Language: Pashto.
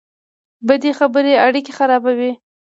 بدې خبرې اړیکې خرابوي